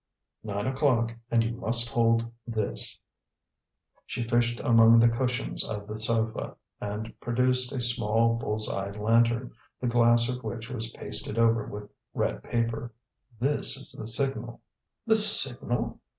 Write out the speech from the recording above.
Nine o'clock, and you must hold this" she fished amongst the cushions of the sofa and produced a small bull's eye lantern, the glass of which was pasted over with red paper. "This is the signal." "The signal?"